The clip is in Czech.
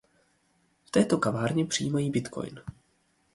V této kavárně přijímají bitcoin.